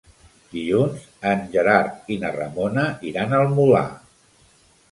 Dilluns en Gerard i na Ramona iran al Molar.